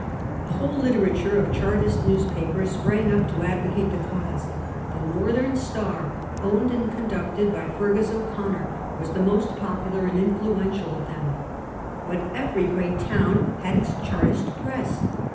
A whole literature of Chartist newspapers sprang up to advocate the cause. The Northern Star , owned and conducted by Eeargus O'Connor, was the most popular and influential of them ; but every great town had its Chartist press.